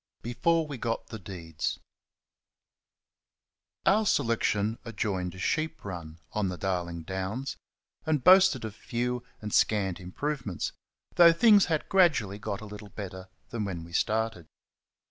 Before We Got The Deeds Our selection adjoined a sheep run on the Darling Downs, and boasted of few and scant improvements, though things had gradually got a little better than when we started.